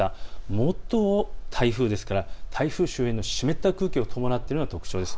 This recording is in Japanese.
もとは台風ですから台風周辺の湿った空気を伴っているのが特徴です。